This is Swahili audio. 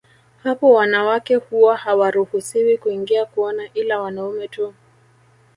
Hapo wanawake huwa hawaruhusiwi kuingia kuona ila wanaume tu